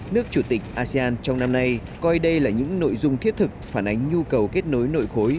nước chủ tịch asean trong năm nay coi đây là những nội dung thiết thực phản ánh nhu cầu kết nối nội khối